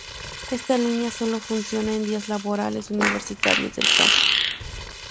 Esta línea sólo funciona en días laborables universitarios del campus.